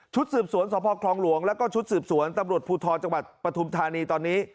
สืบสวนสพคลองหลวงแล้วก็ชุดสืบสวนตำรวจภูทรจังหวัดปฐุมธานีตอนนี้